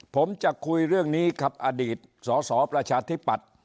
ผมจะคุยเรื่องนี้กับอดีตสสประชาธิปัตย์